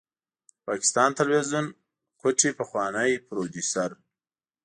د پاکستان تلويزيون کوټې پخوانی پروديوسر